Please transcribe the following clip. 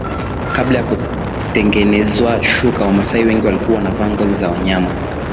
Kabla ya kutengenezwa shuka wamasai wengi walikuwa wanavaa ngozi za wanyama